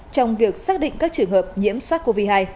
trong việc xác định các trường hợp nhiễm sars cov hai